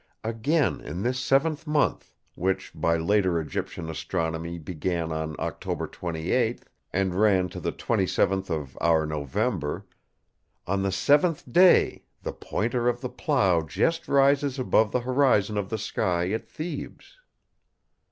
Again, in this seventh month—which, by later Egyptian astronomy began on October 28th, and ran to the 27th of our November—on the seventh day the Pointer of the Plough just rises above the horizon of the sky at Thebes.